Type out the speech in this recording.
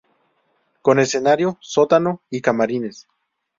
Con escenario, sótano y camarines.